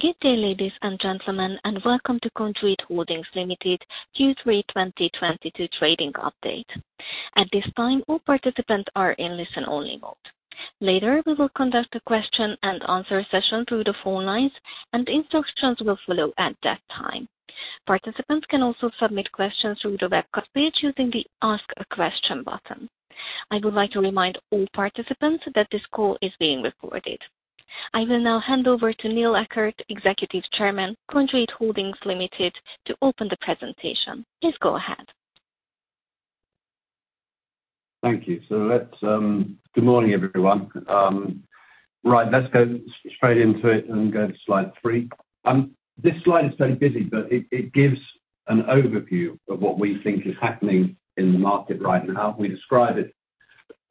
Good day, ladies and gentlemen, and welcome to Conduit Holdings Limited Q3 2022 trading update. At this time, all participants are in listen only mode. Later, we will conduct a question and answer session through the phone lines, and instructions will follow at that time. Participants can also submit questions through the webcast page using the Ask a Question button. I would like to remind all participants that this call is being recorded. I will now hand over to Neil Eckert, Executive Chairman, Conduit Holdings Limited, to open the presentation. Please go ahead. Thank you. Let's Good morning, everyone. Right. Let's go straight into it and go to slide three. This slide is very busy, but it gives an overview of what we think is happening in the market right now. We describe it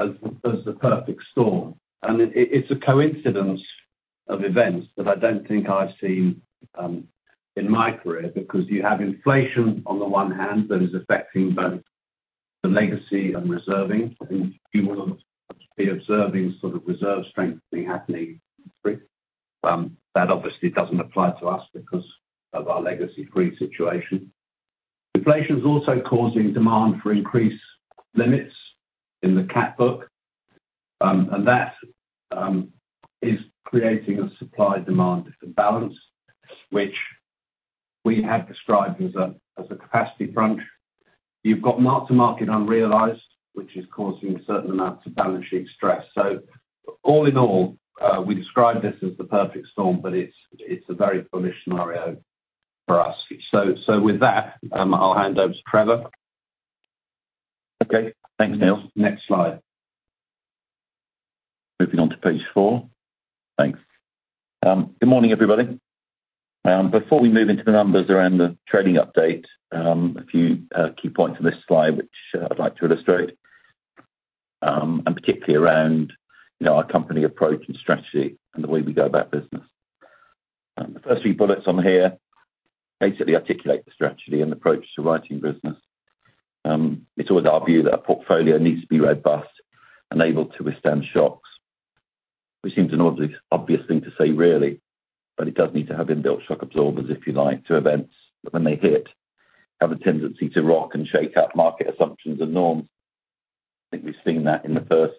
as the perfect storm. It is a coincidence of events that I don't think I've seen in my career, because you have inflation on the one hand that is affecting both the legacy and reserving. I think you will be observing sort of reserve strengthening happening. That obviously doesn't apply to us because of our legacy free situation. Inflation is also causing demand for increased limits in the cat book. That is creating a supply demand imbalance, which we have described as a capacity crunch. You've got mark to market unrealized, which is causing certain amounts of balance sheet stress. All in all, we describe this as the perfect storm, but it's a very bullish scenario for us. With that, I'll hand over to Trevor. Okay. Thanks, Neil. Next slide. Moving on to page four. Thanks. Good morning, everybody. Before we move into the numbers around the trading update, a few key points on this slide which I'd like to illustrate, and particularly around, you know, our company approach and strategy and the way we go about business. The first three bullets on here basically articulate the strategy and approach to writing business. It's always our view that a portfolio needs to be robust and able to withstand shocks. Which seems an obvious thing to say really, but it does need to have inbuilt shock absorbers, if you like, to events that when they hit, have a tendency to rock and shake up market assumptions and norms. I think we've seen that in the first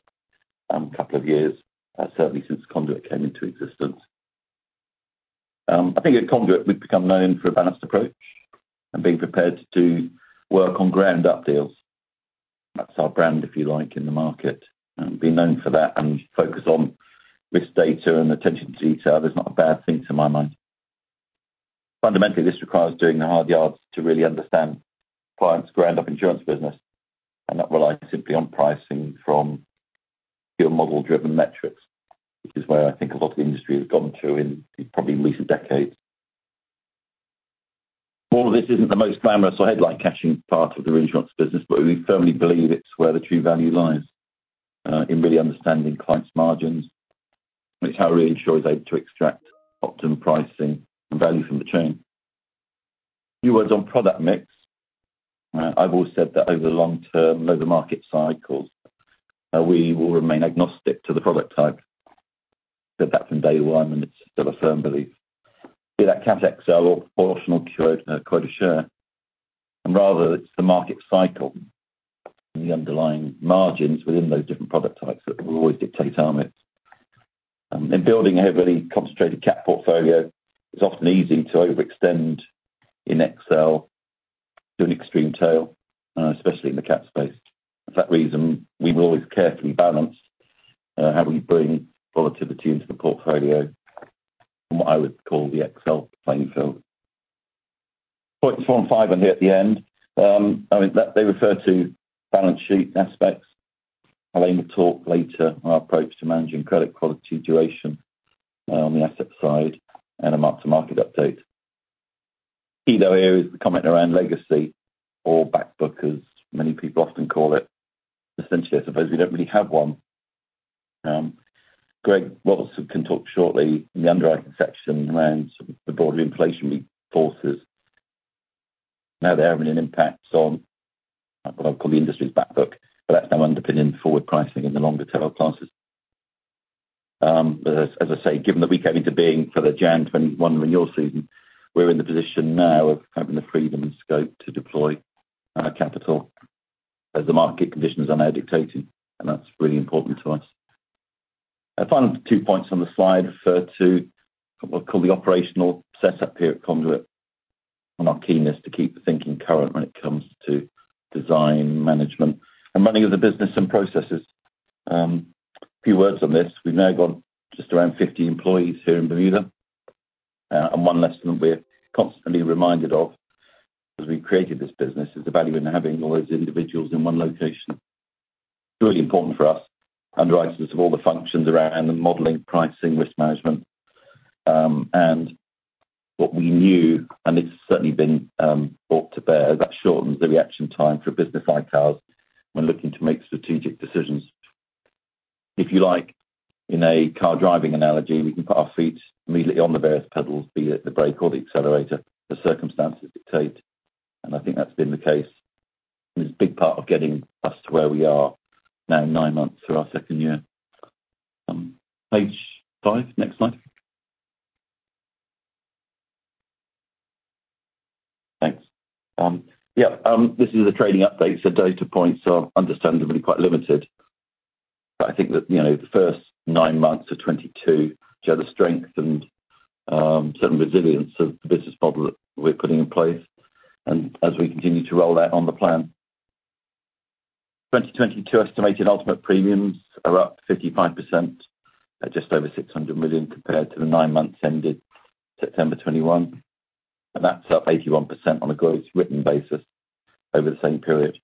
couple of years, certainly since Conduit came into existence. I think at Conduit we've become known for a balanced approach and being prepared to do work on ground-up deals. That's our brand, if you like, in the market, and being known for that and focus on risk data and attention to detail is not a bad thing to my mind. Fundamentally, this requires doing the hard yards to really understand clients' ground-up insurance business, and not rely simply on pricing from pure model-driven metrics, which is where I think a lot of the industry has gotten to in probably at least a decade. All of this isn't the most glamorous or headline-catching part of the reinsurance business, but we firmly believe it's where the true value lies, in really understanding clients' margins, which how a reinsurer is able to extract optimum pricing and value from the chain. A few words on product mix. I've always said that over the long term, over market cycles, we will remain agnostic to the product type. Said that from day one, and it's still a firm belief. Be it Catastrophe XL or quota share. Rather, it's the market cycle and the underlying margins within those different product types that will always dictate our mix. In building a heavily concentrated cat portfolio, it's often easy to overextend in XL to an extreme tail, especially in the cat space. For that reason, we will always carefully balance how we bring volatility into the portfolio from what I would call the XL playing field. Points four and five on here at the end, I mean, they refer to balance sheet aspects. Elaine will talk later on our approach to managing credit quality duration on the asset side and a mark-to-market update. Key though here is the comment around legacy or back book, as many people often call it. Essentially, I suppose we don't really have one. Gregory Roberts can talk shortly in the underwriting section around sort of the broader inflationary forces. Now they're having an impact on what I'll call the industry's back book, but that's now underpinning forward pricing in the longer tail classes. As I say, given that we came into being for the January 2021 renewal season, we're in the position now of having the freedom and scope to deploy our capital as the market conditions are now dictating, and that's really important to us. A final two points on the slide refer to what I'll call the operational setup here at Conduit, and our keenness to keep the thinking current when it comes to design, management, and running of the business and processes. A few words on this. We've now got just around 50 employees here in Bermuda. One lesson we're constantly reminded of as we created this business is the value in having all those individuals in one location. It's really important for us, underwriters of all the functions around the modeling, pricing, risk management. What we knew, and it's certainly been brought to bear, that shortens the reaction time for business issues when looking to make strategic decisions. If you like, in a car driving analogy, we can put our feet immediately on the various pedals, be it the brake or the accelerator, the circumstances dictate. I think that's been the case. It's a big part of getting us to where we are now nine months through our second year. Page five. Next slide. Thanks. Yeah, this is a trading update, so data points are understandably quite limited. I think that, you know, the first nine months of 2022 show the strength and certain resilience of the business model that we're putting in place, and as we continue to roll out on the plan. 2022 estimated ultimate premiums are up 55% at just over $600 million compared to the nine months ended September 2021. That's up 81% on a gross written basis over the same period.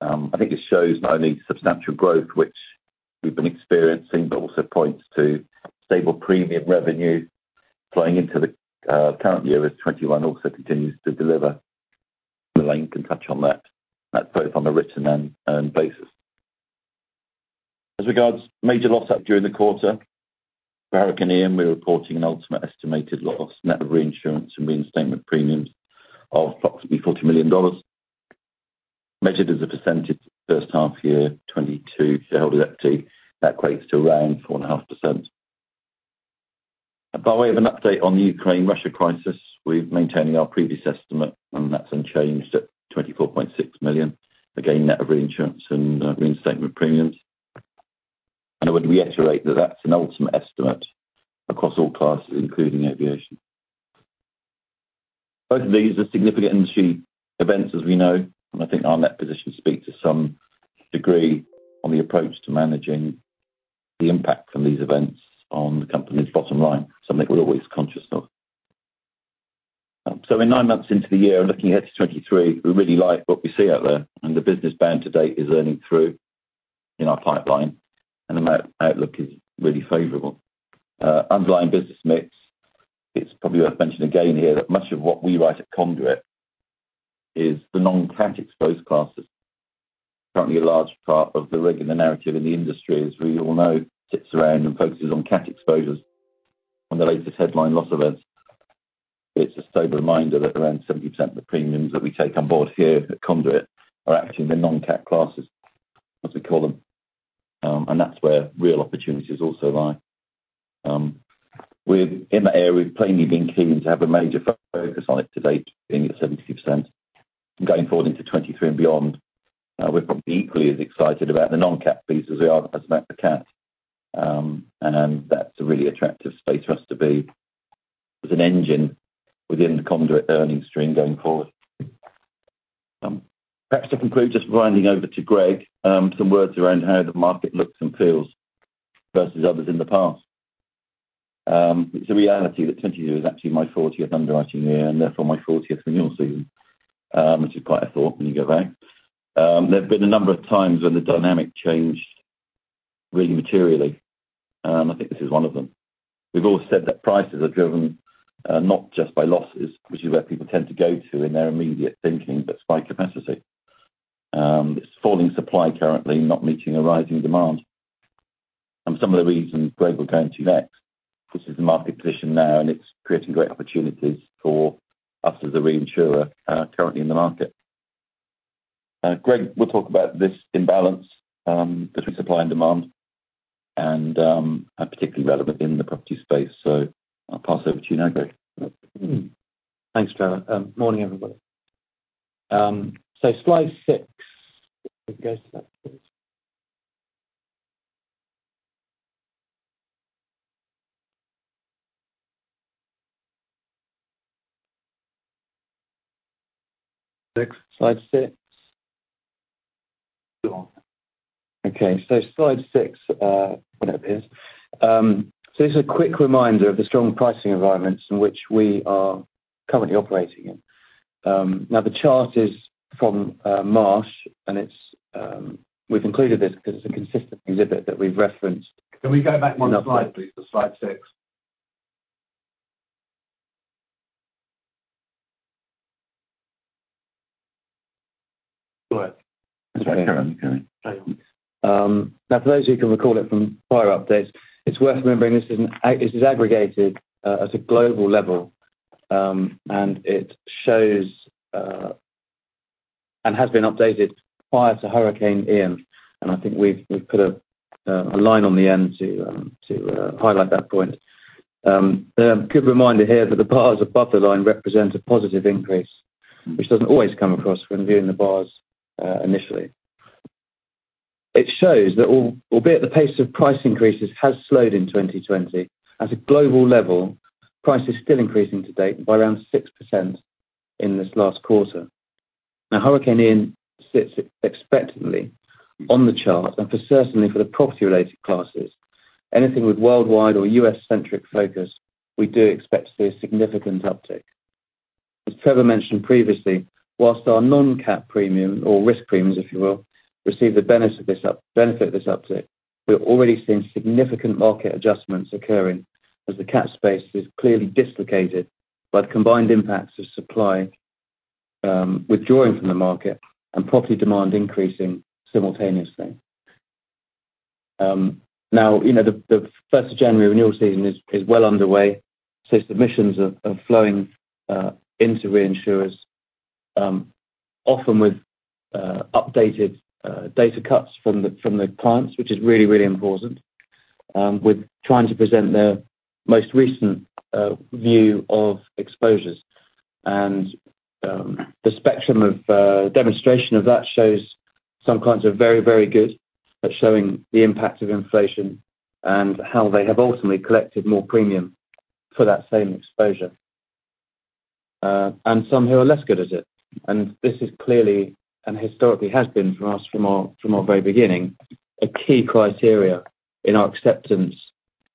I think it shows not only substantial growth, which we've been experiencing, but also points to stable premium revenue flowing into the current year as 2021 also continues to deliver. Elaine can touch on that. That's both on the written and earned basis. As regards major loss update during the quarter, for Hurricane Ian, we're reporting an ultimate estimated loss net of reinsurance and reinstatement premiums of approximately $40 million. Measured as a percentage first half of 2022 to shareholder equity, that equates to around 4.5%. By way of an update on the Ukraine-Russia crisis, we're maintaining our previous estimate, and that's unchanged at $24.6 million. Again, net of reinsurance and reinstatement premiums. I would reiterate that that's an ultimate estimate across all classes, including aviation. Both of these are significant industry events, as we know, and I think our net position speak to some degree on the approach to managing the impact from these events on the company's bottom line, something we're always conscious of. We're nine months into the year and looking ahead to 2023, we really like what we see out there, and the business blend to date is earning through in our pipeline, and the market outlook is really favorable. Underlying business mix, it's probably worth mentioning again here that much of what we write at Conduit is the non-cat exposed classes. Currently a large part of the regular narrative in the industry, as we all know, sits around and focuses on cat exposures. On the latest headline loss events, it's a sober reminder that around 70% of the premiums that we take on board here at Conduit are actually the non-cat classes, as we call them. That's where real opportunities also lie. We're in that area. We've plainly been keen to have a major focus on it to date, being at 70%. Going forward into 2023 and beyond, we're probably equally as excited about the non-cat piece as we are about the cat. That's a really attractive space for us to be. There's an engine within the Conduit earnings stream going forward. Perhaps to conclude, just handing over to Greg, some words around how the market looks and feels versus others in the past. It's a reality that 2022 is actually my 40th underwriting year and therefore my 40th renewal season, which is quite a thought when you go back. There have been a number of times when the dynamic changed really materially. I think this is one of them. We've all said that prices are driven, not just by losses, which is where people tend to go to in their immediate thinking, but by capacity. It's falling supply currently not meeting a rising demand. Some of the reasons Greg will go into next. This is the market position now, and it's creating great opportunities for us as a reinsurer, currently in the market. Greg will talk about this imbalance, between supply and demand and are particularly relevant in the property space. I'll pass over to you now, Greg. Thanks, Trevor. Morning, everybody. Slide six, if we go to that, please. Six. Slide six. Go on. Okay, slide six, whenever it appears. It's a quick reminder of the strong pricing environments in which we are currently operating in. Now the chart is from Marsh. We've included this 'cause it's a consistent exhibit that we've referenced. Can we go back one slide, please? To slide six. Go ahead. That's better. Now for those who can recall it from prior updates, it's worth remembering this is aggregated at a global level. It shows and has been updated prior to Hurricane Ian. I think we've put a line on the end to highlight that point. A good reminder here that the bars above the line represent a positive increase, which doesn't always come across when viewing the bars initially. It shows that albeit the pace of price increases has slowed in 2020, at a global level, price is still increasing to date by around 6% in this last quarter. Now, Hurricane Ian sits expectantly on the chart, and certainly for the property related classes. Anything with worldwide or U.S.-centric focus, we do expect to see a significant uptick. As Trevor mentioned previously, while our non-cat premium or risk premiums, if you will, receive the benefit of this uptick, we're already seeing significant market adjustments occurring as the cat space is clearly dislocated by the combined impacts of supply withdrawing from the market and property demand increasing simultaneously. Now, you know, the first of January renewal season is well underway. Submissions are flowing into reinsurers, often with updated data cuts from the clients, which is really important with trying to present their most recent view of exposures. The spectrum of demonstration of that shows some clients are very good at showing the impact of inflation and how they have ultimately collected more premium for that same exposure. Some who are less good at it. This is clearly, and historically has been for us from our very beginning, a key criteria in our acceptance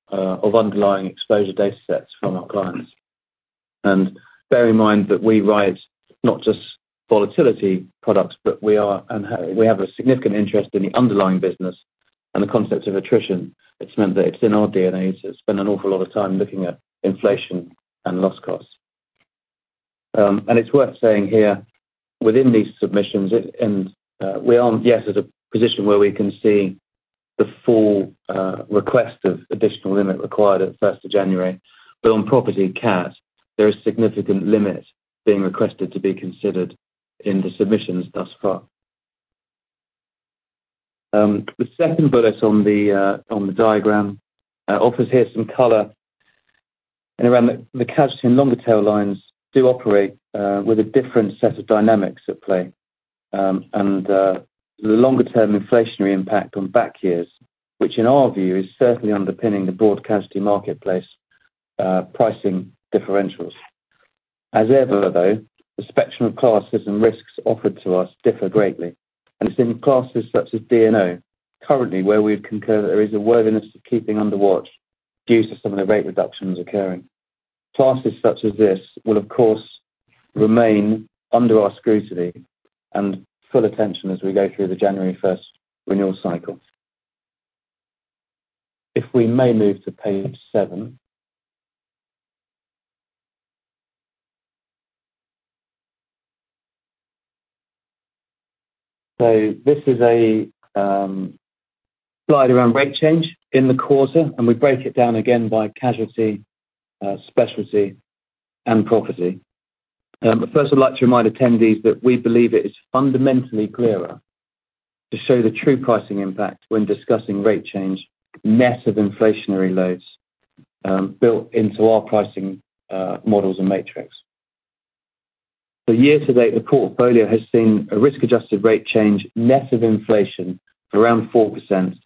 of underlying exposure data sets from our clients. Bear in mind that we write not just volatility products, but we are and we have a significant interest in the underlying business and the concept of attrition. It's meant that it's in our DNA to spend an awful lot of time looking at inflation and loss costs. It's worth saying here within these submissions, and we aren't yet at a position where we can see the full request of additional limit required at first of January. On property cat, there is significant limit being requested to be considered in the submissions thus far. The second bullet on the diagram offers here some color. Around the casualty and longer tail lines do operate with a different set of dynamics at play. The longer term inflationary impact on back years, which in our view is certainly underpinning the broad casualty marketplace, pricing differentials. As ever, though, the spectrum of classes and risks offered to us differ greatly, and it's in classes such as D&O currently where we've concurred there is a worthiness of keeping under watch due to some of the rate reductions occurring. Classes such as this will of course remain under our scrutiny and full attention as we go through the January first renewal cycle. If we may move to page seven. This is a slide around rate change in the quarter, and we break it down again by casualty, specialty, and property. First I'd like to remind attendees that we believe it is fundamentally clearer to show the true pricing impact when discussing rate change net of inflationary loads built into our pricing models and matrix. For year to date, the portfolio has seen a risk-adjusted rate change net of inflation of around 4%,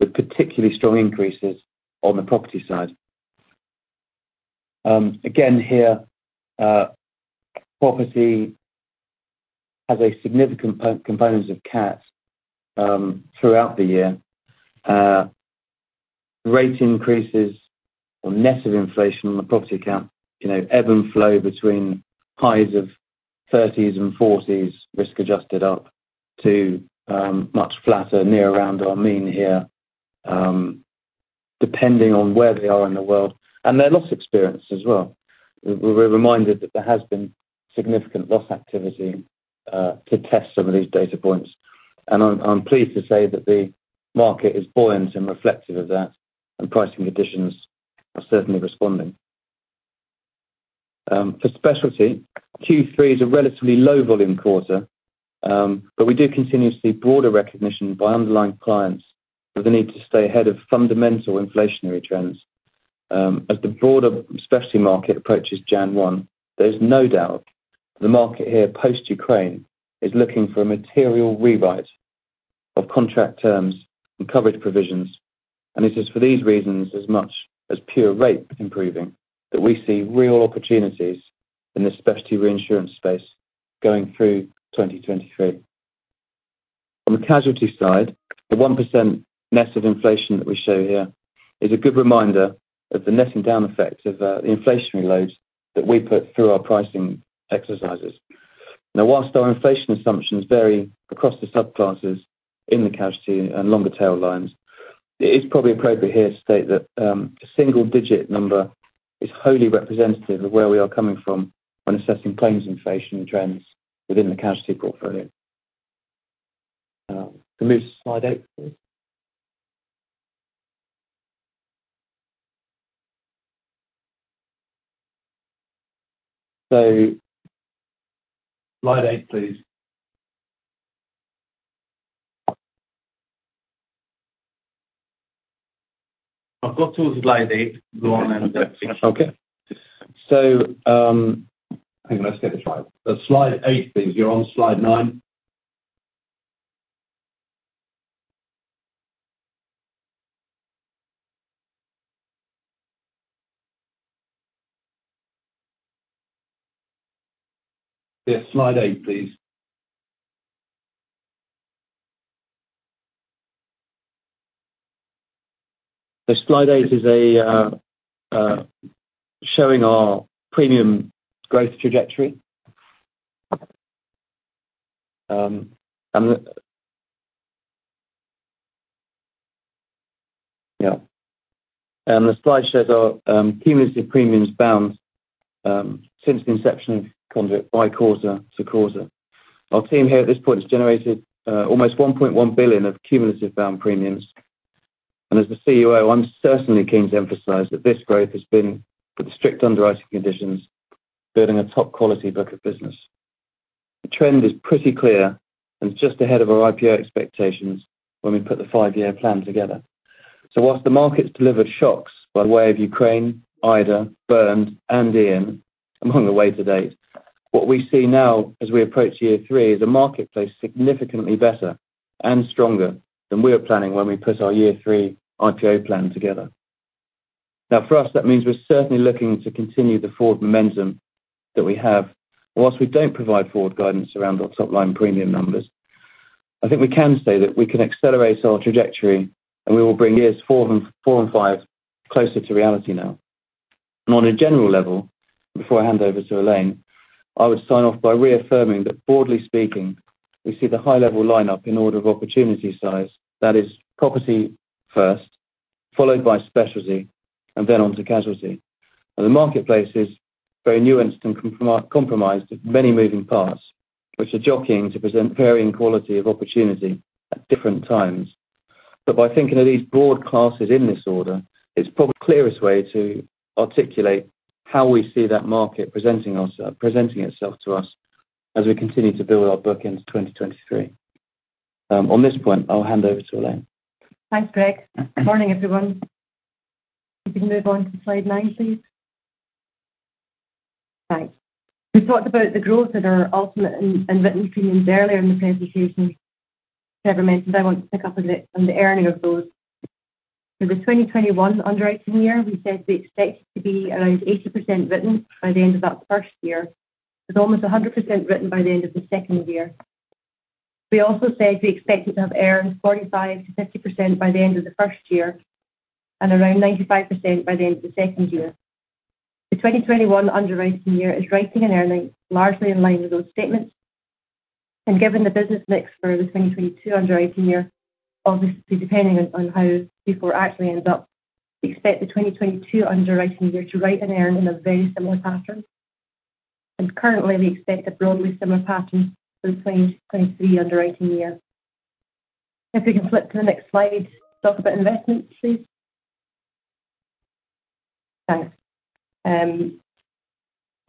with particularly strong increases on the property side. Again here, property has a significant component of Cat throughout the year. Rate increases net of inflation on the property account, you know, ebb and flow between highs of 30s and 40s, risk adjusted up to much flatter near around our mean here, depending on where they are in the world, and their loss experience as well. We're reminded that there has been significant loss activity to test some of these data points. I'm pleased to say that the market is buoyant and reflective of that, and pricing additions are certainly responding. For specialty, Q3 is a relatively low volume quarter, but we do continue to see broader recognition by underlying clients for the need to stay ahead of fundamental inflationary trends. As the broader specialty market approaches January 1, there's no doubt the market here post Ukraine is looking for a material rewrite of contract terms and coverage provisions. It is for these reasons as much as pure rate improving that we see real opportunities in the specialty reinsurance space going through 2023. On the casualty side, the 1% net of inflation that we show here is a good reminder of the netting down effect of the inflationary loads that we put through our pricing exercises. Now, while our inflation assumptions vary across the subclasses in the casualty and longer tail lines, it is probably appropriate here to state that a single digit number is wholly representative of where we are coming from when assessing claims inflation trends within the casualty portfolio. Can you move to slide eight, please. Slide eight, please. I've got to slide eight. Go on then. Okay. Hang on one second. Slide eight, please. You're on slide nine. Yeah, slide eight, please. Slide eight is showing our premium growth trajectory. Yeah. The slide shows our cumulative premiums bound since the inception of Conduit by quota to quota. Our team here at this point has generated almost $1.1 billion of cumulative bound premiums. As the COO, I'm certainly keen to emphasize that this growth has been with strict underwriting conditions, building a top quality book of business. The trend is pretty clear and just ahead of our IPO expectations when we put the five-year plan together. While the market's delivered shocks by way of Ukraine, Ida, Bernd, and Ian among the way to date, what we see now as we approach year three is a marketplace significantly better and stronger than we were planning when we put our year three IPO plan together. Now, for us, that means we're certainly looking to continue the forward momentum that we have. While we don't provide forward guidance around our top-line premium numbers, I think we can say that we can accelerate our trajectory, and we will bring years four and, four and five closer to reality now. On a general level, before I hand over to Elaine, I would sign off by reaffirming that broadly speaking, we see the high level lineup in order of opportunity size. That is, property first, followed by specialty, and then on to casualty. Now, the marketplace is very nuanced and compromised with many moving parts, which are jockeying to present varying quality of opportunity at different times. By thinking of these broad classes in this order, it's probably the clearest way to articulate how we see that market presenting itself to us as we continue to build our book into 2023. On this point, I'll hand over to Elaine. Thanks, Greg. Morning, everyone. If we can move on to slide nine, please. Thanks. We thought about the growth of our ultimate unwritten premiums earlier in the presentation. Trevor mentioned, I want to pick up a bit on the earning of those. For the 2021 underwriting year, we said we expect to be around 80% written by the end of that first year. It's almost 100% written by the end of the second year. We also said we expected to have earned 45%-50% by the end of the first year and around 95% by the end of the second year. The 2021 underwriting year is writing and earning largely in line with those statements. Given the business mix for the 2022 underwriting year, obviously depending on how Q4 actually ends up, we expect the 2022 underwriting year to write and earn in a very similar pattern. Currently, we expect a broadly similar pattern for the 2023 underwriting year. If we can flip to the next slide to talk about investments, please. Thanks.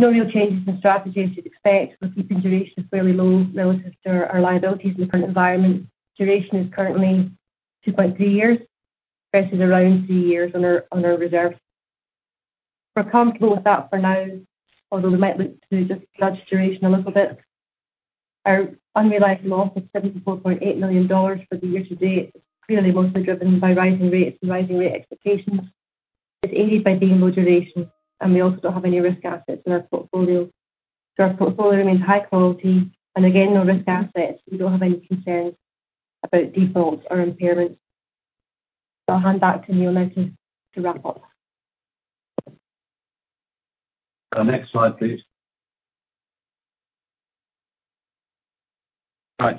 No real changes in strategies to expect. We're keeping duration fairly low relative to our liabilities in the current environment. Duration is currently 2.3 years versus around three years on our reserve. We're comfortable with that for now, although we might look to just nudge duration a little bit. Our unrealized loss of $74.8 million for the year to date is clearly mostly driven by rising rates and rising rate expectations. It's aided by de-risking, and we also don't have any risk assets in our portfolio. Our portfolio remains high quality, and again, no risk assets. We don't have any concerns about defaults or impairments. I'll hand back to Neil Eckert to wrap up. Next slide, please. Right.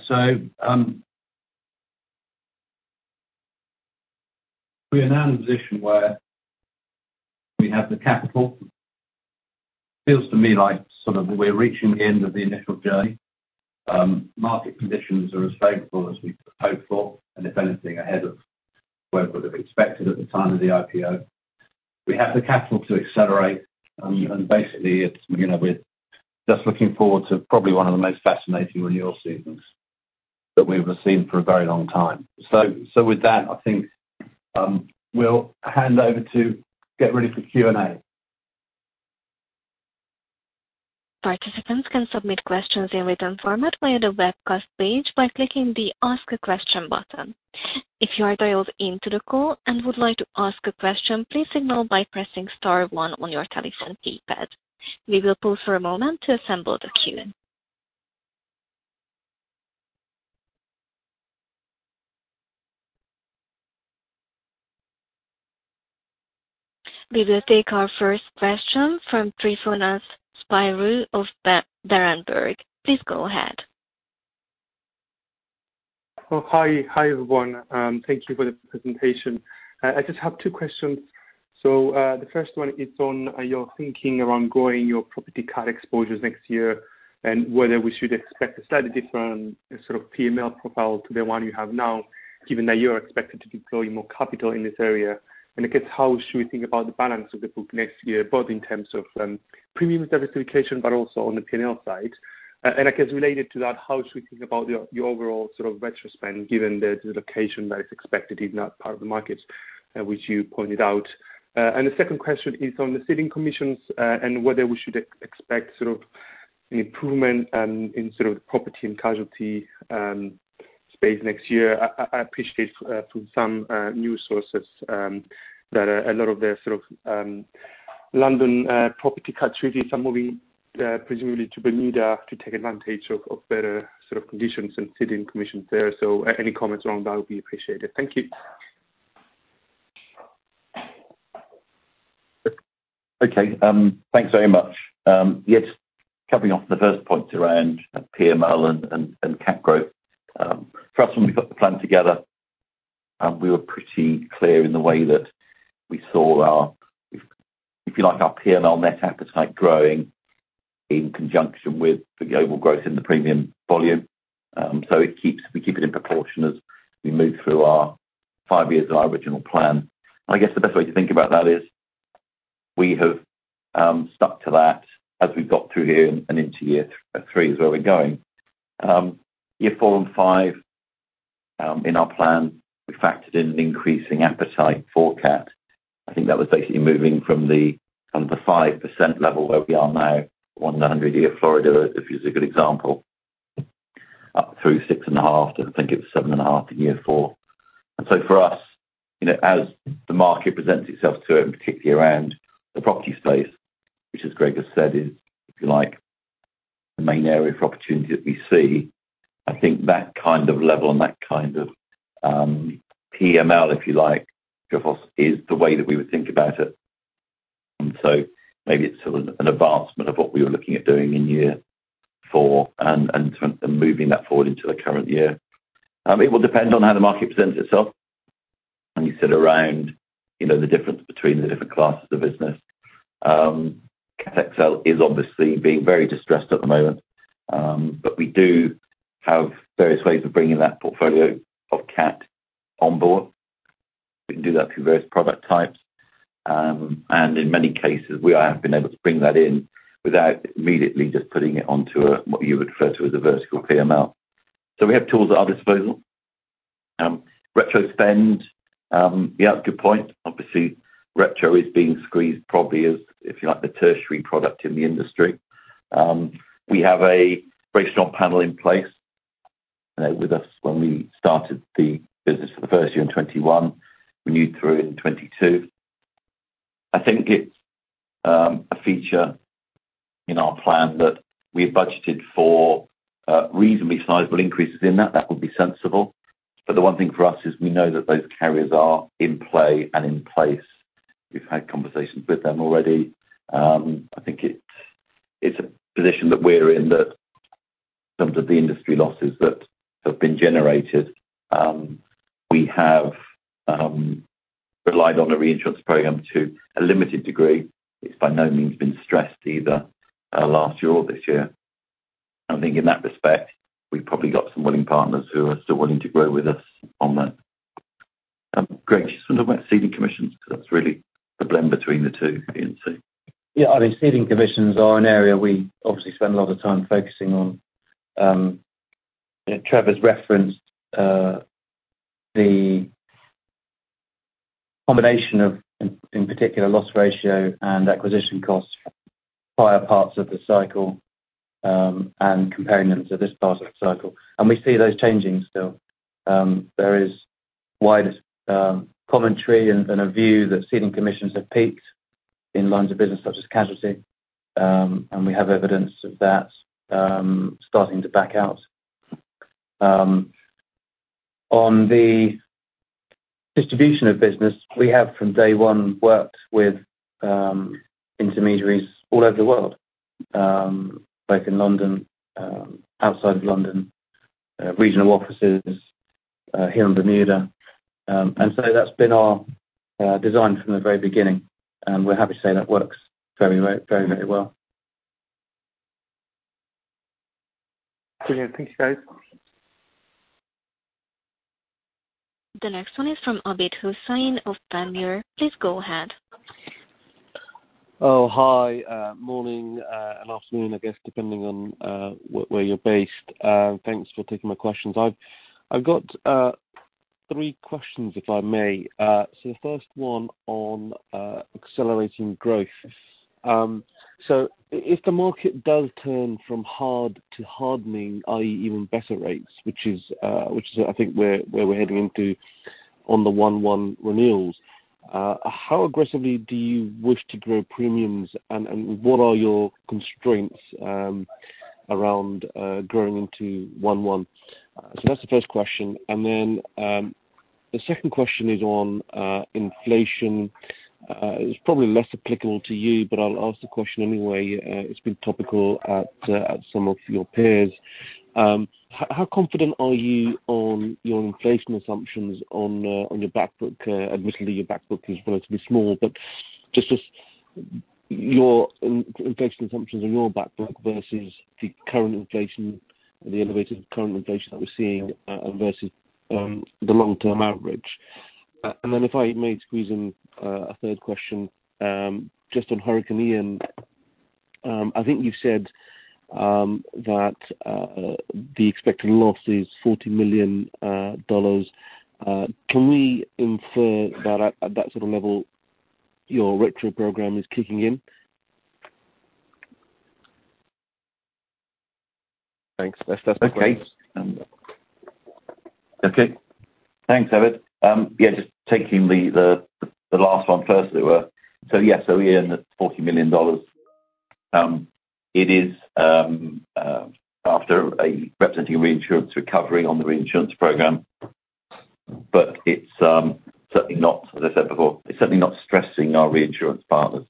We are now in a position where we have the capital. Feels to me like sort of we're reaching the end of the initial journey. Market conditions are as favorable as we could hope for, and if anything, ahead of where it would have expected at the time of the IPO. We have the capital to accelerate, and basically it's, you know, we're just looking forward to probably one of the most fascinating renewal seasons that we've received for a very long time. With that, I think, we'll hand over to get ready for Q&A. Participants can submit questions in written format via the webcast page by clicking the Ask a Question button. If you are dialed into the call and would like to ask a question, please signal by pressing star one on your telephone keypad. We will pause for a moment to assemble the queue. We will take our first question from Tryfonas Spyrou of Berenberg. Please go ahead. Oh, hi. Hi, everyone. Thank you for the presentation. I just have 2 questions. The first one is on your thinking around growing your property cat exposures next year and whether we should expect a slightly different sort of PML profile to the one you have now, given that you're expected to deploy more capital in this area. I guess, how should we think about the balance of the book next year, both in terms of premium diversification, but also on the P&L side? I guess related to that, how should we think about your overall sort of retro spend given the dislocation that is expected in that part of the markets, which you pointed out. The second question is on the ceding commissions, and whether we should expect sort of an improvement in sort of the property and casualty space next year. I appreciate from some new sources that a lot of their sort of London property cat treaties are moving, presumably to Bermuda to take advantage of better sort of conditions and ceding commissions there. Any comments around that would be appreciated. Thank you. Okay. Thanks very much. Yes, coming off the first point around PML and cat growth. For us, when we put the plan together, we were pretty clear in the way that we saw our, if you like, our PML net appetite growing in conjunction with the overall growth in the premium volume. We keep it in proportion as we move through our five years of our original plan. I guess the best way to think about that is we have stuck to that as we've got through here and into year three is where we're going. Year four and five, in our plan, we factored in increasing appetite forecast. I think that was basically moving from the kind of the 5% level where we are now, 100-year Florida, if it's a good example, up through 6.5 to I think it was 7.5 in year four. For us, you know, as the market presents itself to it, and particularly around the property space, which as Greg has said, is if you like, the main area of opportunity that we see, I think that kind of level and that kind of PML, if you like, loss, is the way that we would think about it. Maybe it's sort of an advancement of what we were looking at doing in year four and moving that forward into the current year. It will depend on how the market presents itself. When you sit around, you know the difference between the different classes of business. Catastrophe XL is obviously being very distressed at the moment, but we do have various ways of bringing that portfolio of cat on board. We can do that through various product types. In many cases we have been able to bring that in without immediately just putting it onto a, what you would refer to as a vertical PML. We have tools at our disposal. Retro spend. Yeah, good point. Obviously retro is being squeezed probably as, if you like, the tertiary product in the industry. We have a very strong panel in place with us when we started the business for the first year in 2021, renewed through in 2022. I think it's a feature in our plan that we budgeted for reasonably sizable increases in that. That would be sensible. The one thing for us is we know that those carriers are in play and in place. We've had conversations with them already. I think it's a position that we're in that some of the industry losses that have been generated, we have relied on a reinsurance program to a limited degree. It's by no means been stressed either last year or this year. I think in that respect, we've probably got some willing partners who are still willing to grow with us on that. Greg, just wanna talk about ceding commissions because that's really the blend between the two P&C. Yeah, I mean, ceding commissions are an area we obviously spend a lot of time focusing on. Trevor's referenced the combination of, in particular, loss ratio and acquisition costs, prior parts of the cycle, and comparing them to this part of the cycle. We see those changing still. There is wide commentary and a view that ceding commissions have peaked in lines of business such as casualty. We have evidence of that starting to back out. On the distribution of business we have from day one worked with intermediaries all over the world, both in London, outside of London, regional offices, here in Bermuda. That's been our design from the very beginning, and we're happy to say that works very, very, very well. Brilliant. Thank you, Greg. The next one is from Abid Hussain of Panmure. Please go ahead. Oh, hi. Morning, and afternoon, I guess, depending on where you're based. Thanks for taking my questions. I've got three questions, if I may. The first one on accelerating growth. If the market does turn from hard to hardening, i.e., even better rates, which is I think where we're heading into on the 1/1 renewals, how aggressively do you wish to grow premiums and what are your constraints around growing into 1/1? That's the first question. Then, the second question is on inflation. It's probably less applicable to you, but I'll ask the question anyway. It's been topical at some of your peers. How confident are you on your inflation assumptions on your back book? Admittedly, your back book is relatively small, but just your inflation assumptions on your back book versus the current inflation that we're seeing versus the long-term average. If I may squeeze in a third question, just on Hurricane Ian. I think you've said that the expected loss is $40 million. Can we infer that at that sort of level your retro program is kicking in? Thanks. Thanks, Abid. Yeah, just taking the last one first. Yeah, we end at $40 million. It is after a representing reinsurance recovery on the reinsurance program. It's certainly not, as I said before, it's certainly not stressing our reinsurance partners.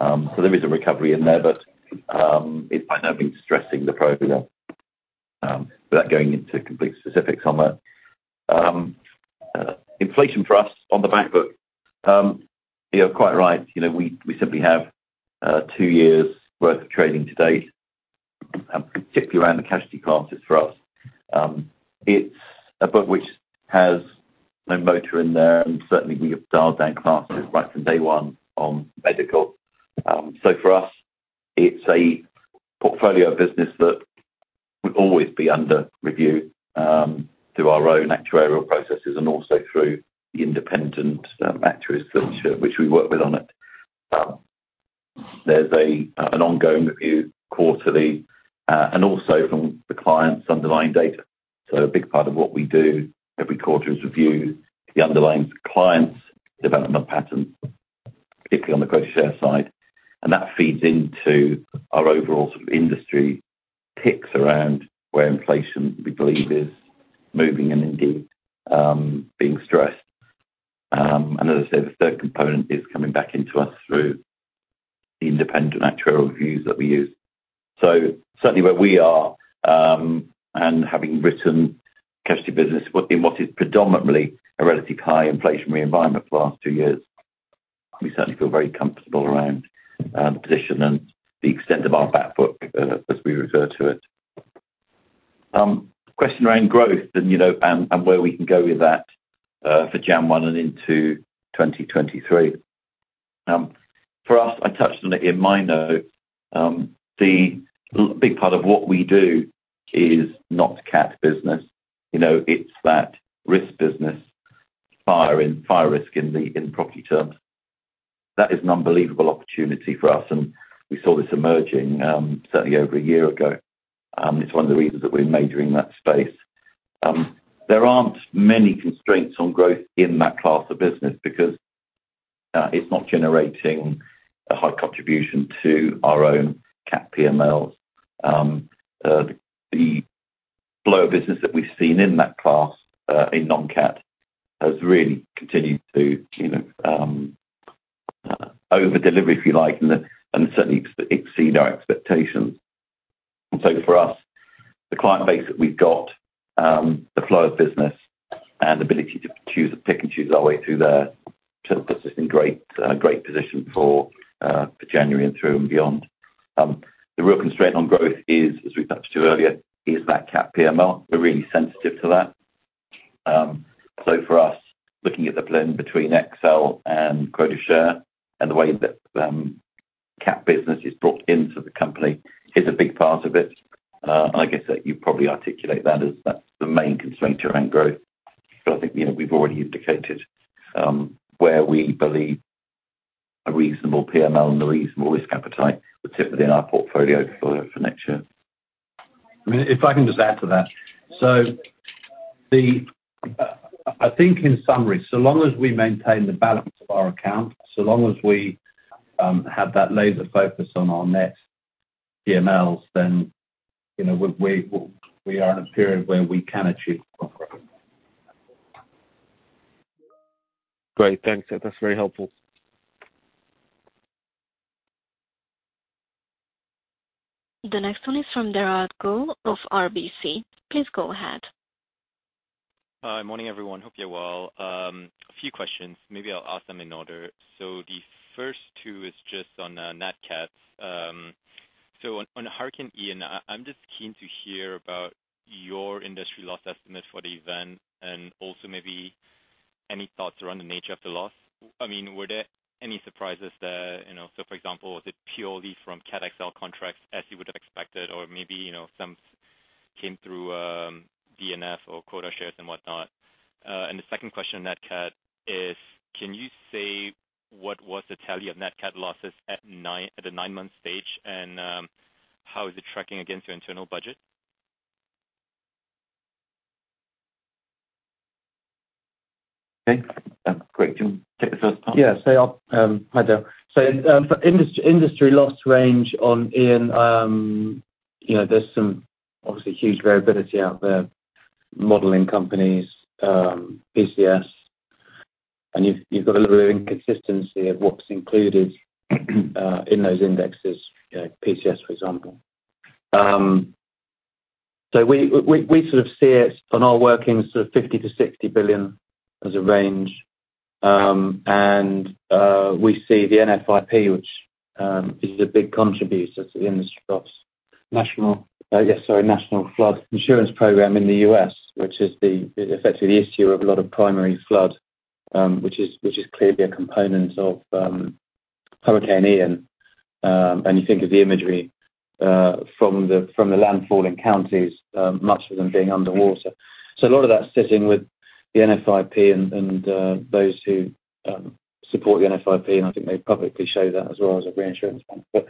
There is a recovery in there, but it's by no means stressing the program. Without going into complete specifics on that. Inflation for us on the back book, you're quite right. You know, we simply have two years' worth of trading to date, particularly around the casualty classes for us. It's a book which has no motor in there, and certainly we have dialed down classes right from day one on medical. For us, it's a portfolio business that would always be under review, through our own actuarial processes and also through the independent actuaries which we work with on it. There's an ongoing review quarterly, and also from the client's underlying data. A big part of what we do every quarter is review the underlying client's development patterns, particularly on the quota share side, and that feeds into our overall sort of industry picks around where inflation we believe is moving and indeed, being stressed. As I said, the third component is coming back into us through the independent actuarial reviews that we use. Certainly where we are and having written casualty business in what is predominantly a relatively high inflationary environment for the last two years, we certainly feel very comfortable around the position and the extent of our back book as we refer to it. Question around growth, you know, and where we can go with that for January 1 and into 2023. For us, I touched on it in my note, the big part of what we do is not cat business. You know, it's that risk business, fire and fire risk in property terms. That is an unbelievable opportunity for us, and we saw this emerging certainly over a year ago. It's one of the reasons that we're major in that space. There aren't many constraints on growth in that class of business because it's not generating a high contribution to our own cat PMLs. The flow of business that we've seen in that class in non-cat has really continued to, you know, over deliver, if you like, and certainly exceed our expectations. For us, the client base that we've got, the flow of business and ability to choose, pick and choose our way through there, sort of puts us in great position for January and through and beyond. The real constraint on growth, as we touched on earlier, is that cat PML. We're really sensitive to that. Looking at the blend between XL and quota share and the way that cat business is brought into the company is a big part of it. I guess that you probably articulate that as that's the main constraint around growth. I think, you know, we've already indicated where we believe a reasonable PML and a reasonable risk appetite would sit within our portfolio for next year. I mean, if I can just add to that. I think in summary, so long as we maintain the balance of our accounts, so long as we have that laser focus on our net PMLs, then, you know, we are in a period where we can achieve growth. Great. Thanks. That's very helpful. The next one is from Darius Satkauskas of RBC. Please go ahead. Hi. Morning, everyone. Hope you're well. A few questions. Maybe I'll ask them in order. The first two is just on net cats. On Hurricane Ian, I'm just keen to hear about your industry loss estimate for the event and also maybe any thoughts around the nature of the loss. I mean, were there any surprises there? You know, for example, was it purely from Catastrophe XL contracts as you would have expected or maybe, you know, some came through D&F or quota shares and whatnot. The second question on net cat is can you say what was the tally of net cat losses at the nine-month stage and how is it tracking against your internal budget? Okay. Great. Tim, take the first one. Yeah. Hi there. For industry loss range on Ian, you know, there's some obviously huge variability out there, modeling companies, PCS, and you've got a little bit of inconsistency of what's included in those indexes, you know, PCS, for example. We sort of see it on our workings sort of $50 billion-$60 billion as a range. We see the NFIP, which is a big contributor to the industry drops. National Flood Insurance Program in the U.S., which is effectively the issuer of a lot of primary flood, which is clearly a component of Hurricane Ian. You think of the imagery from the landfall in counties, much of them being underwater. A lot of that's sitting with the NFIP and those who support the NFIP, and I think they publicly show that as well as a reinsurance bank.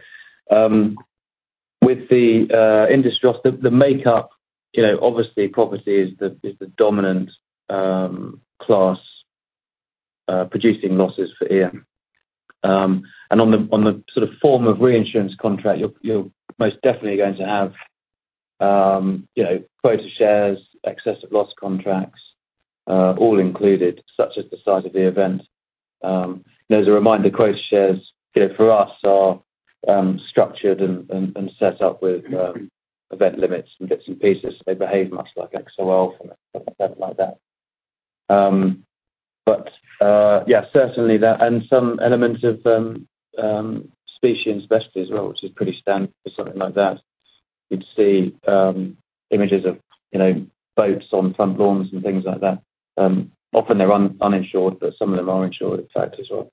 With the industry loss, the makeup, you know, obviously property is the dominant class Producing losses for EM. On the sort of form of reinsurance contract, you're most definitely going to have, you know, quota shares, excess of loss contracts, all included such as the size of the event. As a reminder, quota shares, you know, for us are structured and set up with event limits and bits and pieces. They behave much like XL from like that. Certainly that and some elements of specialty investing as well, which is pretty standard for something like that. You'd see images of, you know, boats on front lawns and things like that. Often they're uninsured, but some of them are insured in fact as well.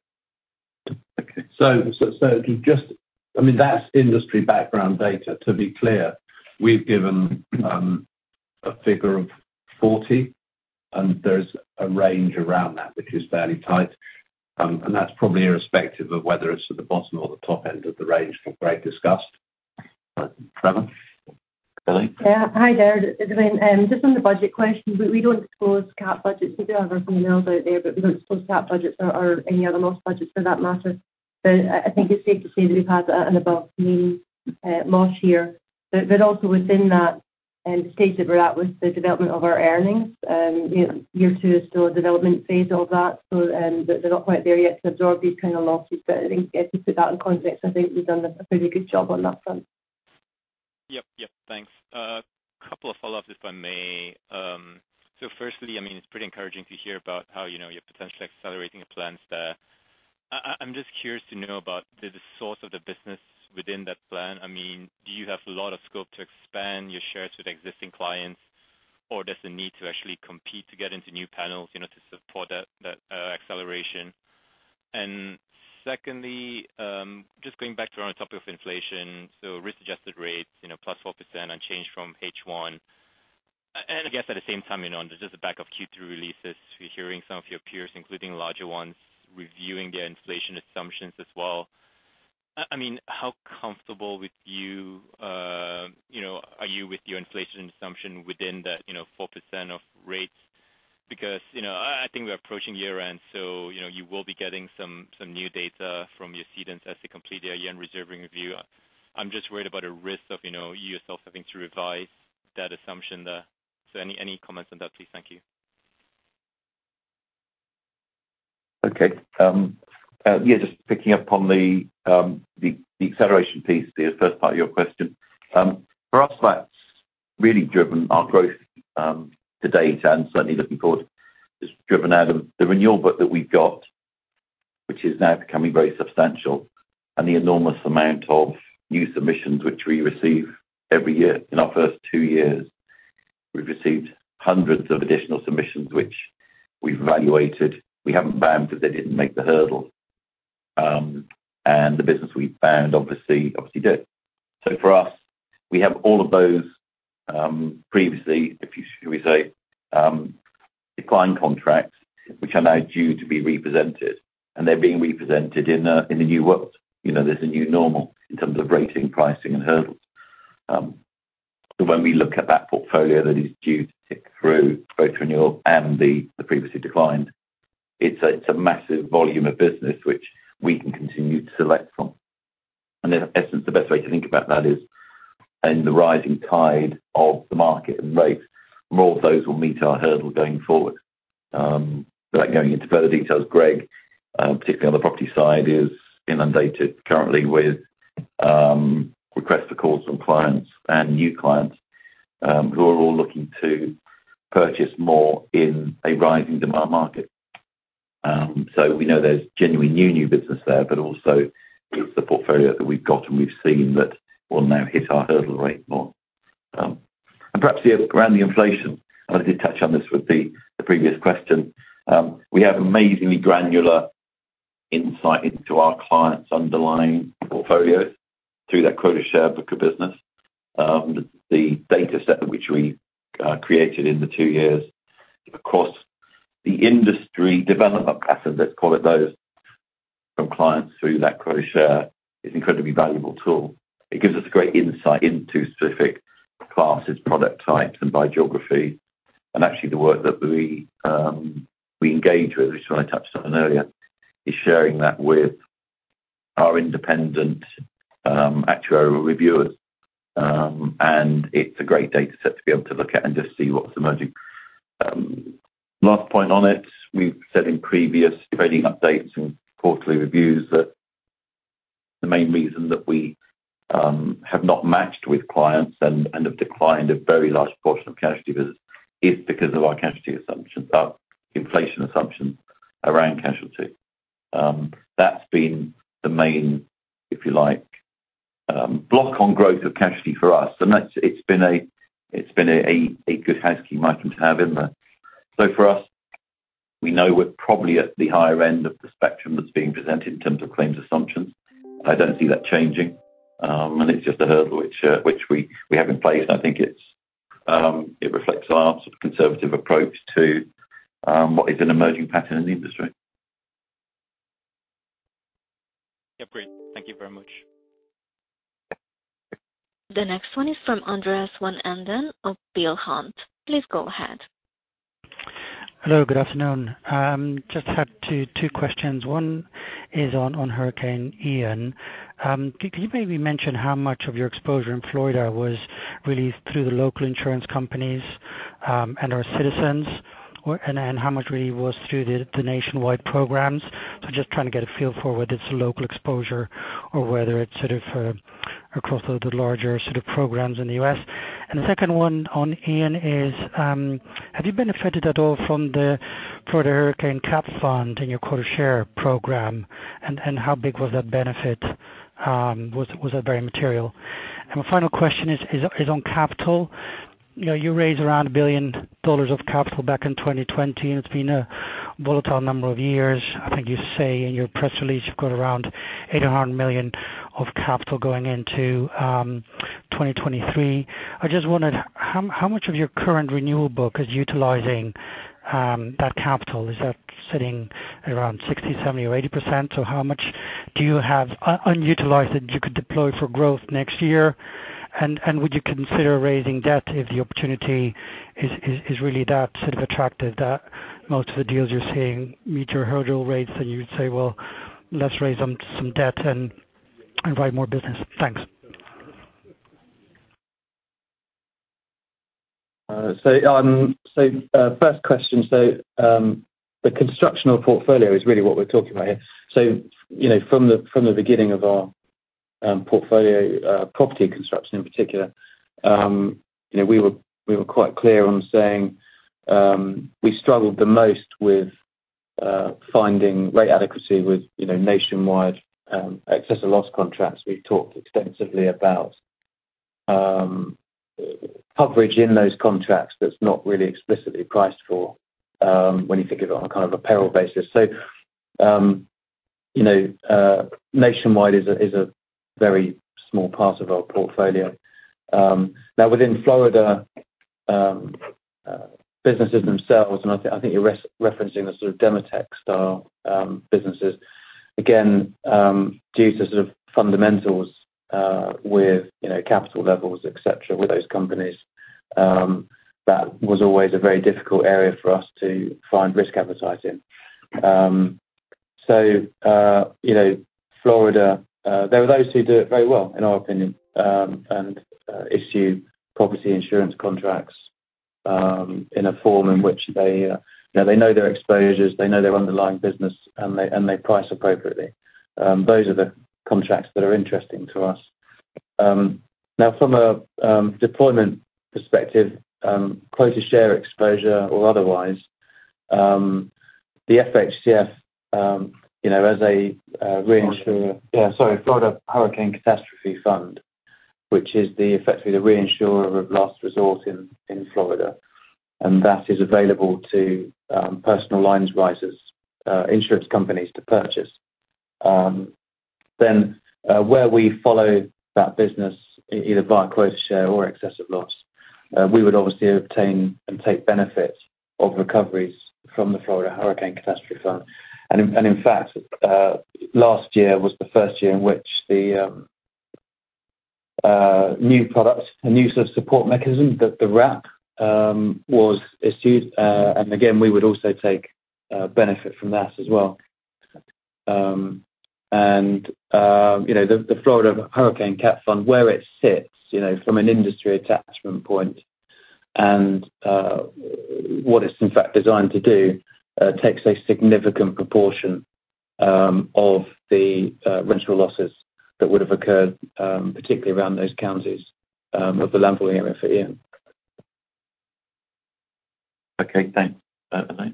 Just, I mean, that's industry background data. To be clear, we've given a figure of 40, and there's a range around that which is fairly tight. That's probably irrespective of whether it's at the bottom or the top end of the range that Greg discussed. Elaine Whelan? Yeah. Hi there. Just on the budget question, we don't disclose CapEx budgets. We do have our guidelines out there, but we don't disclose CapEx budgets or any other loss budgets for that matter. I think it's safe to say that we've had an above-mean loss year. Also within that stage that we're at with the development of our earnings, you know, year two is still a development phase, all that. They're not quite there yet to absorb these kind of losses. I think if you put that in context, I think we've done a pretty good job on that front. Yep, yep. Thanks. Couple of follow-ups if I may. Firstly, I mean, it's pretty encouraging to hear about how, you know, you're potentially accelerating your plans there. I'm just curious to know about the source of the business within that plan. I mean, do you have a lot of scope to expand your shares with existing clients, or there's a need to actually compete to get into new panels, you know, to support that acceleration? Secondly, just going back to our topic of inflation, risk-adjusted rates, you know, plus 4% unchanged from H1. I guess at the same time, you know, just the back of Q3 releases, we're hearing some of your peers, including larger ones, reviewing their inflation assumptions as well. I mean, how comfortable with you know, are you with your inflation assumption within that, you know, 4% of rates? Because, you know, I think we're approaching year-end, so, you know, you will be getting some new data from your cedents as they complete their year-end reserving review. I'm just worried about a risk of, you know, yourself having to revise that assumption there. Any comments on that, please? Thank you. Okay. Yeah, just picking up on the acceleration piece there, first part of your question. For us, that's really driven our growth to date, and certainly looking forward, it's driven out of the renewal book that we've got, which is now becoming very substantial, and the enormous amount of new submissions which we receive every year. In our first two years, we've received hundreds of additional submissions, which we've evaluated. We haven't written because they didn't make the hurdle. And the business we've written, obviously do. So for us, we have all of those previously, should we say, declined contracts which are now due to be represented, and they're being represented in a new world. You know, there's a new normal in terms of rating, pricing, and hurdles. When we look at that portfolio that is due to tick through both renewal and the previously declined, it's a massive volume of business which we can continue to select from. In essence, the best way to think about that is in the rising tide of the market and rates, more of those will meet our hurdle going forward. Without going into further details, Greg, particularly on the property side, is inundated currently with requests for calls from clients and new clients, who are all looking to purchase more in a rising demand market. We know there's genuinely new business there, but also the portfolio that we've got and we've seen that will now hit our hurdle rate more. Perhaps, yeah, around the inflation, and I did touch on this with the previous question. We have amazingly granular insight into our clients' underlying portfolios through that quota share book of business. The data set which we created in the two years across the industry development patterns, let's call it those, from clients through that quota share is incredibly valuable tool. It gives us a great insight into specific classes, product types, and by geography. Actually, the work that we engage with, which I touched on earlier, is sharing that with our independent actuarial reviewers. It's a great data set to be able to look at and just see what's emerging. Last point on it, we've said in previous trading updates and quarterly reviews that the main reason that we have not matched with clients and have declined a very large portion of casualty business is because of our casualty assumptions, inflation assumptions around casualty. That's been the main, if you like, block on growth of casualty for us. That's been a good housekeeping item to have in there. For us, we know we're probably at the higher end of the spectrum that's being presented in terms of claims assumptions. I don't see that changing. It's just a hurdle which we have in place. I think it reflects our sort of conservative approach to what is an emerging pattern in the industry. Yeah, great. Thank you very much. The next one is from Andreas van Embden of Peel Hunt. Please go ahead. Hello, good afternoon. Just had two questions. One is on Hurricane Ian. Could you maybe mention how much of your exposure in Florida was really through the local insurance companies, and/or Citizens, and how much really was through the nationwide programs? Just trying to get a feel for whether it's a local exposure or whether it's sort of across the larger sort of programs in the U.S. The second one on Ian is, have you benefited at all from the Florida Hurricane Catastrophe Fund in your quota share program, and how big was that benefit? Was that very material? My final question is on capital. You know, you raised around $1 billion of capital back in 2020, and it's been a volatile number of years. I think you say in your press release you've got around $800 million of capital going into 2023. I just wondered how much of your current renewal book is utilizing that capital? Is that sitting around 60%, 70% or 80%? How much do you have unutilized that you could deploy for growth next year? Would you consider raising debt if the opportunity is really that sort of attractive that most of the deals you're seeing meet your hurdle rates and you'd say, "Well, let's raise some debt and invite more business." Thanks. First question. The catastrophe portfolio is really what we're talking about here. You know, from the beginning of our portfolio, property catastrophe in particular, you know, we were quite clear on saying we struggled the most with finding rate adequacy with, you know, nationwide excess of loss contracts. We've talked extensively about coverage in those contracts that's not really explicitly priced for, when you think of it on kind of a peril basis. You know, nationwide is a very small part of our portfolio. Now within Florida, businesses themselves, and I think you're referencing the sort of Demotech style businesses. Again, due to sort of fundamentals, with, you know, capital levels, et cetera, with those companies, that was always a very difficult area for us to find risk advertising. You know, Florida, there are those who do it very well, in our opinion, and issue property insurance contracts, in a form in which they, now they know their exposures, they know their underlying business, and they price appropriately. Those are the contracts that are interesting to us. Now from a deployment perspective, quota share exposure or otherwise, the FHCF, you know, as a reinsurer- What? Florida Hurricane Catastrophe Fund, which is effectively the reinsurer of last resort in Florida. That is available to personal lines writers, insurance companies to purchase. Where we follow that business either via quota share or excess of loss, we would obviously obtain and take benefit of recoveries from the Florida Hurricane Catastrophe Fund. In fact, last year was the first year in which the new products, a new sort of support mechanism, the RAP, was issued. Again, we would also take benefit from that as well. You know, the Florida Hurricane Catastrophe Fund, where it sits, you know, from an industry attachment point and what it's in fact designed to do, takes a significant proportion of the retained losses that would have occurred, particularly around those counties of the landfall area for Ian. Okay, thanks. Bye for now.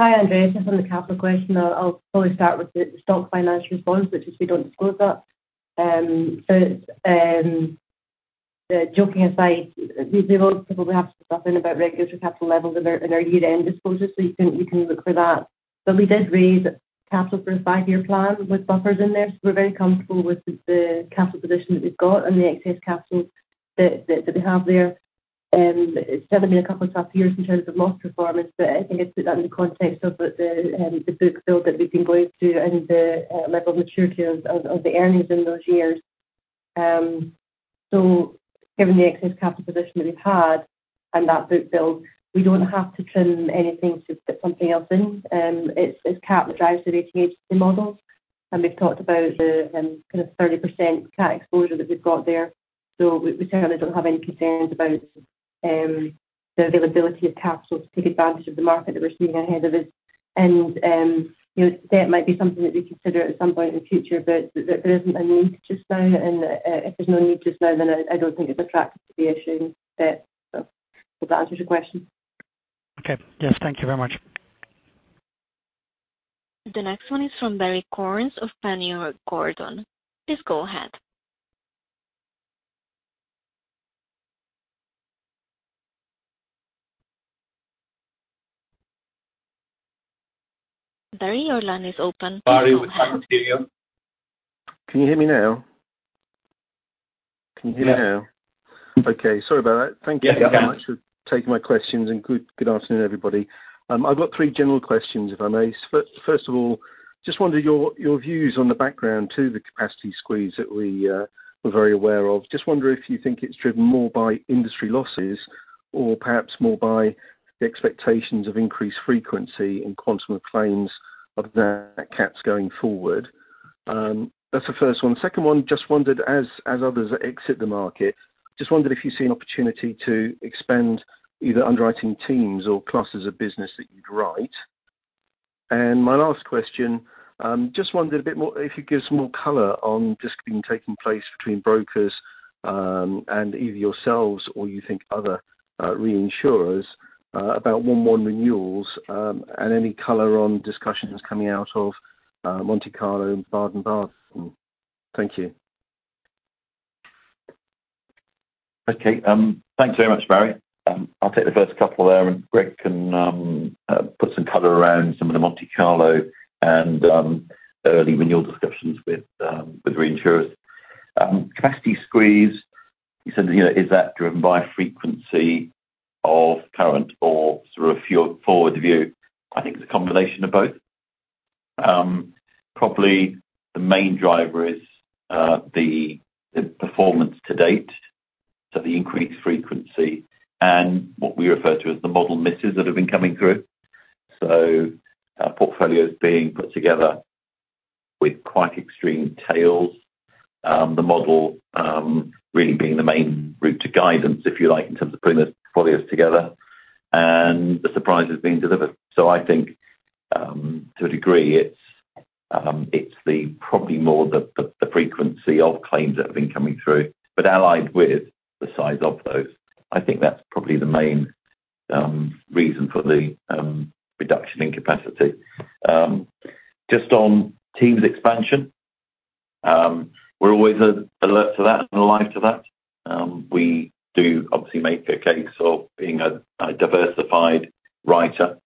Hi, Andreas. Just on the capital question, I'll probably start with the subordinated bonds, which is, we don't disclose that. The joking aside, we do obviously have stuff in about regulatory capital levels in our year-end disclosures, so you can look for that. We did raise capital for a five-year plan with buffers in there, so we're very comfortable with the capital position that we've got and the excess capital that we have there. It's certainly been a couple of tough years in terms of loss performance, but I think it's put that in the context of the book build that we've been going through and the level of maturity of the earnings in those years. Given the excess capital position that we've had and that book build, we don't have to trim anything to fit something else in. It's cat that drives the rating agency models. We've talked about the kind of 30% cat exposure that we've got there. We certainly don't have any concerns about the availability of capital to take advantage of the market that we're seeing ahead of us. You know, debt might be something that we consider at some point in the future, but there isn't a need just now. If there's no need just now, then I don't think it's attractive to be issuing debt. Hope that answers your question. Okay. Yes, thank you very much. The next one is from Barrie Cornes of Panmure Gordon. Please go ahead. Barrie, your line is open. Please go ahead. Barrie Cornes with Panmure Gordon. Can you hear me now? Can you hear me now? Okay, sorry about that. Thank you very much for taking my questions, and good afternoon, everybody. I've got three general questions, if I may. First of all, just wonder your views on the background to the capacity squeeze that we're very aware of. Just wonder if you think it's driven more by industry losses or perhaps more by the expectations of increased frequency and quantum of claims or the cats going forward. That's the first one. Second one, just wondered as others exit the market if you see an opportunity to expand either underwriting teams or classes of business that you'd write. My last question, just wondered a bit more if you give some more color on what's taking place between brokers and either yourselves or other reinsurers about 1/1 renewals, and any color on discussions coming out of Monte Carlo and Baden-Baden. Thank you. Okay, thanks very much, Barry. I'll take the first couple there, and Greg can put some color around some of the Monte Carlo and early renewal discussions with reinsurers. Capacity squeeze, you said, you know, is that driven by frequency or severity, current or sort of forward view? I think it's a combination of both. Probably the main driver is the performance to date, so the increased frequency and what we refer to as the model misses that have been coming through. Portfolios being put together with quite extreme tails. The model really being the main route to guidance, if you like, in terms of putting the portfolios together and the surprise is being delivered. I think to a degree, it's probably more the frequency of claims that have been coming through, but allied with the size of those. I think that's probably the main reason for the reduction in capacity. Just on teams expansion, we're always alert to that and alive to that. We do obviously make a case for being a diversified writer.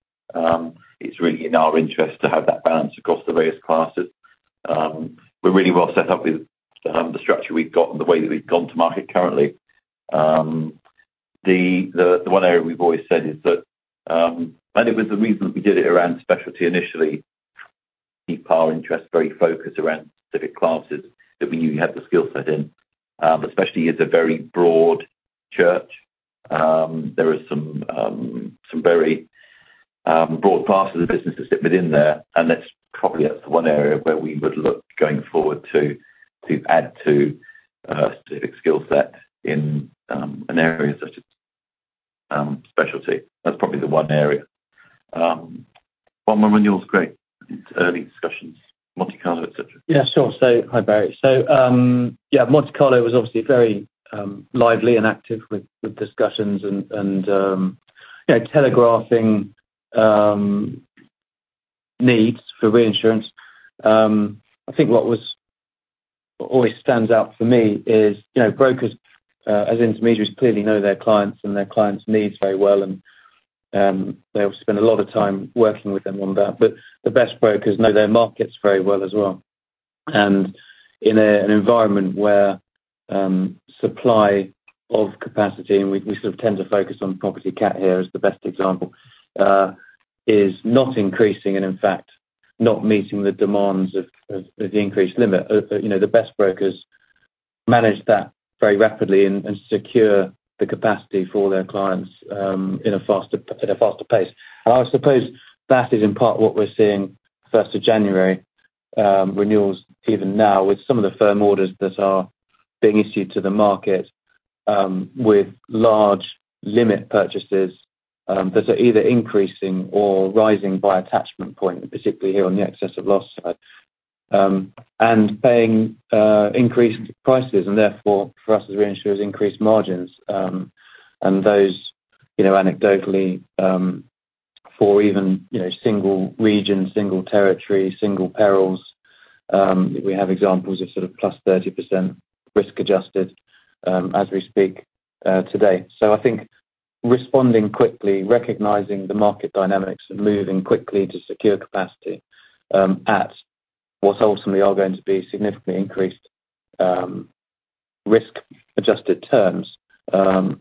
It's really in our interest to have that balance across the various classes. We're really well set up with the structure we've got and the way that we've gone to market currently. The one area we've always said is that, and it was the reason we did it around specialty initially, keep our interest very focused around specific classes that we knew you had the skill set in. Especially as a very broad church, there are some very broad classes of business that sit within there, and that's probably one area where we would look going forward to add to a specific skill set in an area such as specialty. That's probably the one area. One more renewal is great. Early discussions, Monte Carlo, et cetera. Yeah, sure. Hi, Barry. Monte Carlo was obviously very lively and active with discussions and you know, telegraphing needs for reinsurance. I think what always stands out for me is you know, brokers as intermediaries clearly know their clients and their clients' needs very well and they'll spend a lot of time working with them on that. The best brokers know their markets very well as well. In an environment where supply of capacity and we sort of tend to focus on property cat here as the best example is not increasing and in fact not meeting the demands of the increased limit. You know, the best brokers manage that very rapidly and secure the capacity for their clients at a faster pace. I suppose that is in part what we're seeing first-of-January renewals even now with some of the firm orders that are being issued to the market with large limit purchases that are either increasing or rising by attachment point, particularly here on the excess of loss side, and paying increased prices and therefore for us as reinsurers, increased margins. You know, anecdotally for even single region, single territory, single perils, we have examples of sort of +30% risk-adjusted as we speak today. I think responding quickly, recognizing the market dynamics and moving quickly to secure capacity at what ultimately are going to be significantly increased risk-adjusted terms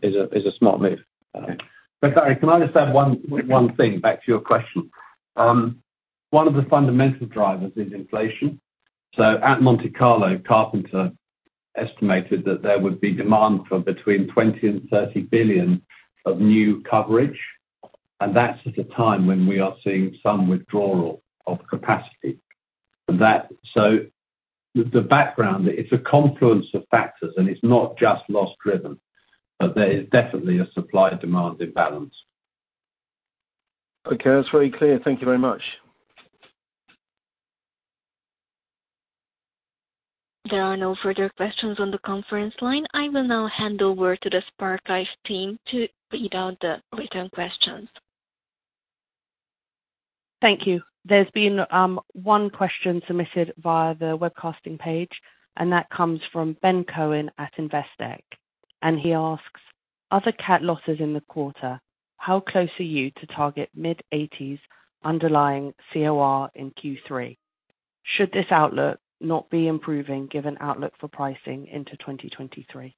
is a smart move. Barry, can I just add one thing back to your question? One of the fundamental drivers is inflation. At Monte Carlo, Guy Carpenter estimated that there would be demand for between $20 billion and $30 billion of new coverage, and that's at a time when we are seeing some withdrawal of capacity. The background, it's a confluence of factors, and it's not just loss driven. There is definitely a supply and demand imbalance. Okay. That's very clear. Thank you very much. There are no further questions on the conference line. I will now hand over to the SparkLive team to read out the written questions. Thank you. There's been one question submitted via the webcasting page, and that comes from Ben Cohen at Investec. He asks, "Other cat losses in the quarter, how close are you to target mid-eighties underlying COR in Q3? Should this outlook not be improving given outlook for pricing into 2023?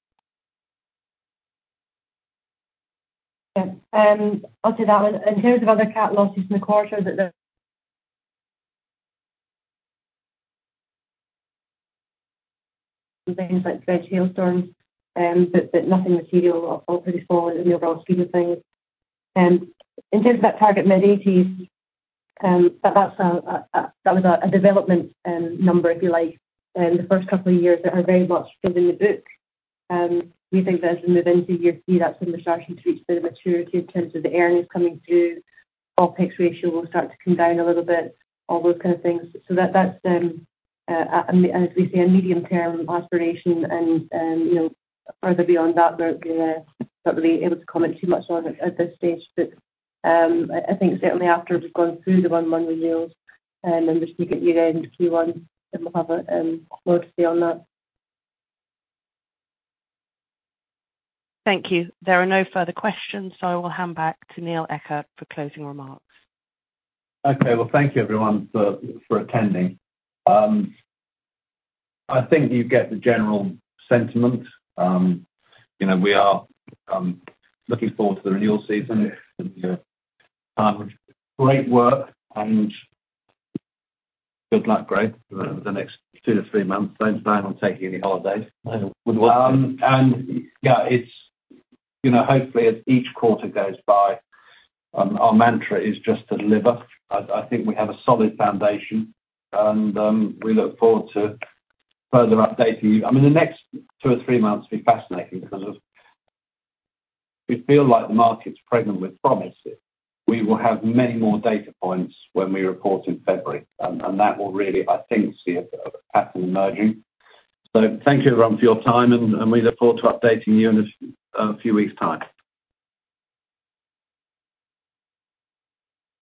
Yeah. I'll take that one. In terms of other cat losses in the quarter, things like hailstorms, but nothing material or pretty small in the overall scheme of things. In terms of that target mid-eighties, that's a development number, if you like. In the first couple of years, they are very much still in the books. We think as we move into year three, that's when we're starting to reach the maturity in terms of the earnings coming through. OpEx ratio will start to come down a little bit, all those kind of things. That's, as we say, a medium-term aspiration and, you know, further beyond that, we're not really able to comment too much on it at this stage. I think certainly after we've gone through the January monthly renewals and then just looking at year-end Q1, then we'll have clarity on that. Thank you. There are no further questions, so I will hand back to Neil Eckert for closing remarks. Okay. Well, thank you everyone for attending. I think you get the general sentiment. You know, we are looking forward to the renewal season. Great work and good luck, Greg, for the next two to three months. Don't plan on taking any holidays. I wouldn't want to. Yeah, it's, you know, hopefully as each quarter goes by, our mantra is just to deliver. I think we have a solid foundation and we look forward to further updating you. I mean, the next two or three months will be fascinating because we feel like the market's pregnant with promise. We will have many more data points when we report in February. That will really, I think, see a pattern emerging. Thank you everyone for your time and we look forward to updating you in a few weeks time.